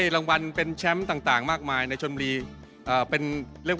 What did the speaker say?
แล้วทำไมชอบ